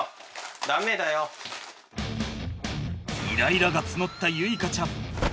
イライラが募った結花ちゃん